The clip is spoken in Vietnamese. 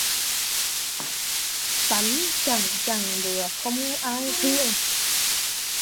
Tánh chẳng chẳng rứa, không ai thương